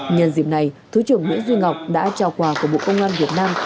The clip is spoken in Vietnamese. nhân dịp này thứ trưởng nguyễn duy ngọc đã trao quà của bộ công an việt nam